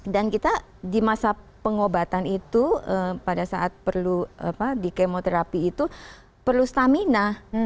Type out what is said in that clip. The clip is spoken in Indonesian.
dan kita di masa pengobatan itu pada saat perlu di kemoterapi itu perlu stamina